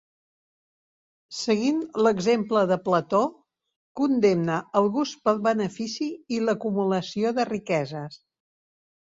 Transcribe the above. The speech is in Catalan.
Seguint l'exemple de Plató, condemna el gust pel benefici i l'acumulació de riqueses.